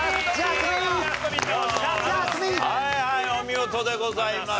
お見事でございます。